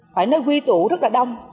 phải nói quy tụ rất là đông